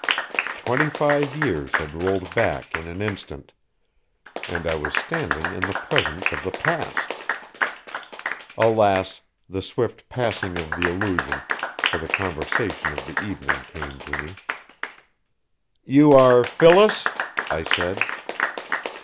Twenty five years had rolled back in an instant, and I was standing in the presence of the past. Alas, the swift passing of the illusion, for the conversation of the evening came to me. "You are Phyllis?" I said.